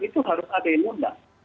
itu harus ada yang mudah